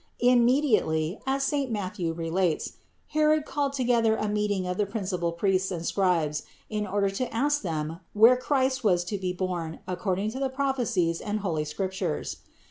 Immediately, as saint Matthew relates, Herod called together a meeting of the principal priests and scribes in order to ask them where Christ was to be born according to the prophecies and holy Scrip tures.